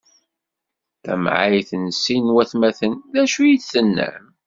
Tamɛayt n sin n watmaten: D acu i tennam?